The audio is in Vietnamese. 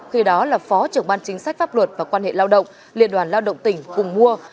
khi đó là phó trưởng ban chính sách pháp luật và quan hệ lao động liên đoàn lao động tỉnh cùng mua